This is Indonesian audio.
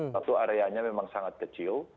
waktu areanya memang sangat kecil